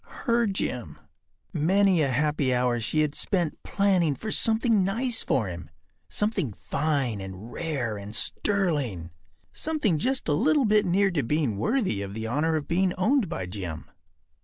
Her Jim. Many a happy hour she had spent planning for something nice for him. Something fine and rare and sterling—something just a little bit near to being worthy of the honor of being owned by Jim.